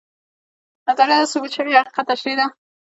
نظریه د ثبوت شوي حقیقت تشریح ده